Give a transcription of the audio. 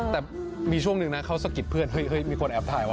แต่มีช่วงหนึ่งนะเขาสะกิดเพื่อนเฮ้ยมีคนแอบถ่ายว่